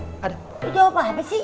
lo jawab apa sih